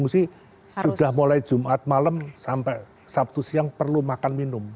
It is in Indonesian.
yang sakit di pengungsi sudah mulai jumat malam sampai sabtu siang perlu makan minum